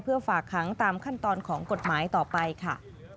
ฝากค้างตามขั้นตอนของกฎหมายต่อไปค่ะ